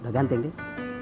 udah ganteng deh